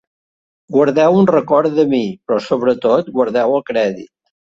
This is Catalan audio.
Guardeu un record de mi, però sobre tot guardeu el crèdit.